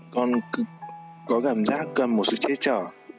con có cảm giác gần một sự xe chở